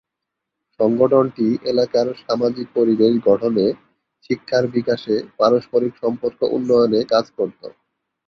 সংগঠনটি এলাকার সামাজিক পরিবেশ গঠনে, শিক্ষার বিকাশে, পারস্পরিক সম্পর্ক উন্নয়নে কাজ করত।